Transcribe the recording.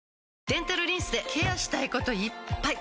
デンタルリンスでケアしたいこといっぱい！